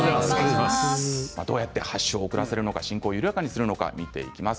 どうやって発症を遅らせるのか進行を緩やかにするのか見ていきます。